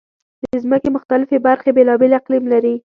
د ځمکې مختلفې برخې بېلابېل اقلیم لري.